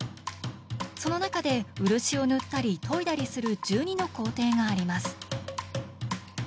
その中で漆を塗ったり研いだりする１２の工程があります。